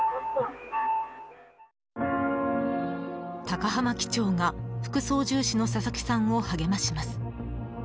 高濱機長が、副操縦士の佐々木さんを励まします。